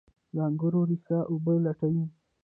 د انګورو ریښې اوبه لټوي.